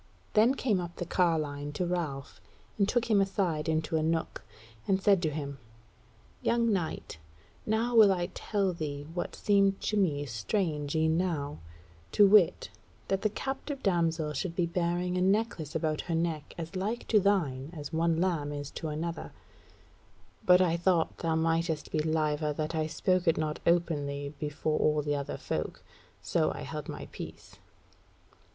Then came up the carline to Ralph and took him aside into a nook, and said to him: "Young knight, now will I tell thee what seemed to me strange e'en now; to wit, that the captive damsel should be bearing a necklace about her neck as like to thine as one lamb is to another: but I thought thou mightest be liever that I spake it not openly before all the other folk. So I held my peace."